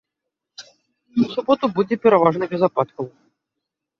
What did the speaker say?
У суботу будзе пераважна без ападкаў.